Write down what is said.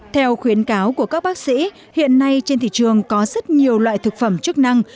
theo khuyến cáo của các bác sĩ hiện nay trên thị trường có rất nhiều loại thực phẩm chức năng